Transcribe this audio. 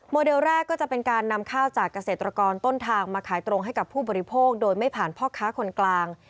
เลแรกก็จะเป็นการนำข้าวจากเกษตรกรต้นทางมาขายตรงให้กับผู้บริโภคโดยไม่ผ่านพ่อค้าคนกลาง